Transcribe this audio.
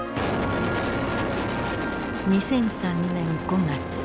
２００３年５月。